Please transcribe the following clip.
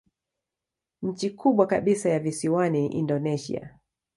Nchi kubwa kabisa ya visiwani ni Indonesia.